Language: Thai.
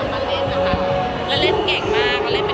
เพราะว่าเรื่องไม่ใช่แทบเบย์